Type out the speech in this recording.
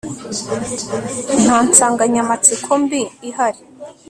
nta nsanganyamatsiko mbi ihari